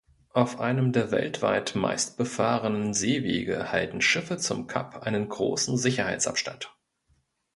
Auf einem der weltweit meist befahrenen Seewege halten Schiffe zum Kap einen großen Sicherheitsabstand.